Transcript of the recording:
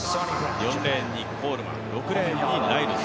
４レーンにコールマン、６レーンにライルズ